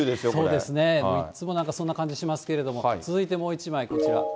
そうですねいつもそんな感じしますけれども、続いてもう１枚、こちら。